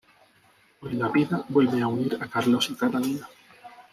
Hoy la vida vuelve a unir a Carlos y a Catalina...